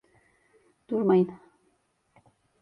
Durmayın!